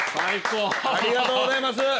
ありがとうございます。